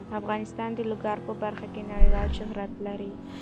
افغانستان د لوگر په برخه کې نړیوال شهرت لري.